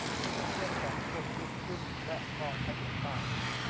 เพื่อนสองคนลุกขึ้นและมองไปอีกฝ่าย